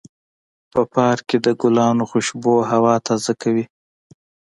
په پارک کې د ګلانو خوشبو هوا تازه کوي.